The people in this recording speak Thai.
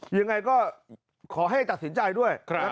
ยังไงก็ขอให้ตัดสินใจด้วย